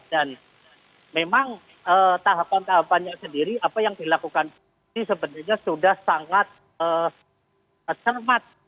dan memang tahapan tahapannya sendiri apa yang dilakukan ini sebenarnya sudah sangat cermat